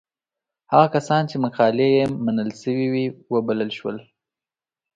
هغه کسان چې مقالې یې منل شوې وې وبلل شول.